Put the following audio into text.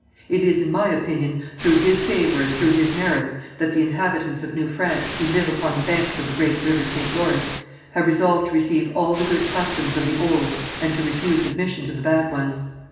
It is, in my opinion, through his favour and through his merits, that the inhabitants of New France who live upon the banks of the great river Saint Lawrence, have resolved to receive all the good customs of the old and to refuse admission to the bad ones.